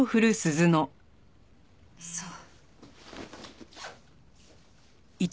そう。